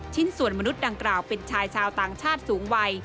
ส่วนมนุษย์ดังกล่าวเป็นชายชาวต่างชาติสูงวัย